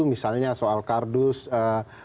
misalnya soal kardus asal dan lain lain